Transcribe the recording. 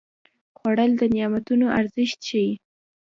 خوړل د نعمتونو ارزښت ښيي